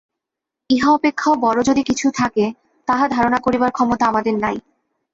ইহা অপেক্ষাও বড় যদি কিছু থাকে, তাহা ধারণা করিবার ক্ষমতা আমাদের নাই।